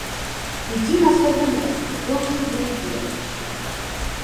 Ідзі на сваё месца, ён сюды ідзе!